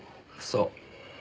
そう。